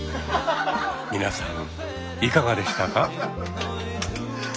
皆さんいかがでしたか？